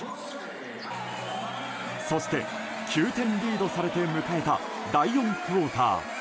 そして９点リードされて迎えた第４クオーター。